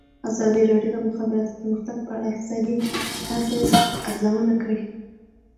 ازادي راډیو د د مخابراتو پرمختګ په اړه د اقتصادي اغېزو ارزونه کړې.